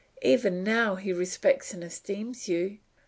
Even now he respects and esteems you.